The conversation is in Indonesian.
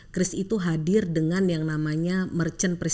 kris itu hadir dengan yang namanya merchant presiden